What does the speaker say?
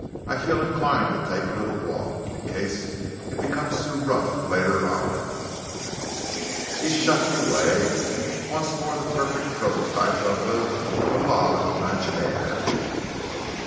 I feel inclined to take a little walk, in case it becomes too rough later on." He shuffled away, once more the perfect prototype of the malade imaginaire.